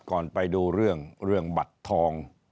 ก่อนไปดูเรื่องเรื่องบัตรทอง